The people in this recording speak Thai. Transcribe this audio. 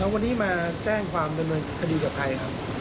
วันนี้มาที่แจ้งความผิดคดีกับใครครับ